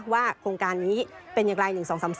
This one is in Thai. โครงการนี้เป็นอย่างไร๑๒๓๓